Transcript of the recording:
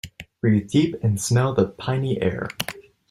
Breathe deep and smell the piny air.